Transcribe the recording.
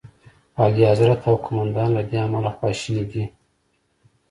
اعلیخضرت او قوماندان له دې امله خواشیني دي.